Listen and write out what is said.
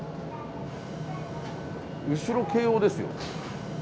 後ろ京王ですよ。